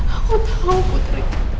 aku tahu putri